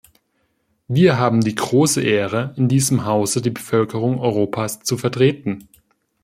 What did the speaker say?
Wir haben die große Ehre, in diesem Hause die Bevölkerung Europas zu vertreten.